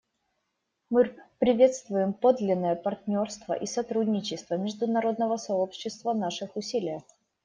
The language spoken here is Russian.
Мы приветствуем подлинное партнерство и сотрудничество международного сообщества в наших усилиях.